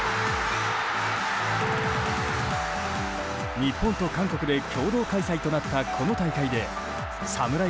日本と韓国で共同開催となったこの大会でサムライ